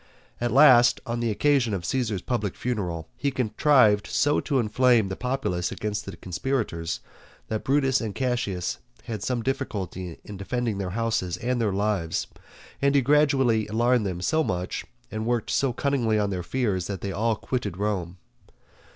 At last, on the occasion of Caesar's public funeral, he contrived so to inflame the populace against the conspirators, that Brutus and Cassius had some difficulty in defending their houses and their lives and he gradually alarmed them so much, and worked so cunningly on their fears that they all quitted Rome.